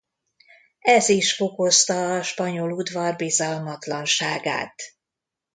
Ez is fokozta a spanyol udvar bizalmatlanságát.